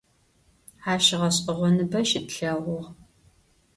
Aş ğeş'eğonıbe çç'etlheğuağ.